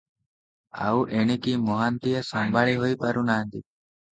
ଆଉ ଏଣିକି ମହାନ୍ତିଏ ସମ୍ଭାଳି ହୋଇ ପାରୁ ନାହାନ୍ତି ।